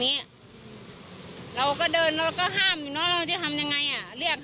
นี้เราก็เดินเราก็ห้ามอยู่เนอะเราจะทำยังไงอ่ะเรียก